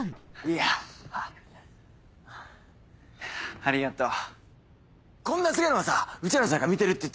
いやありがとう！